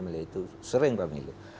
milih itu sering pak milo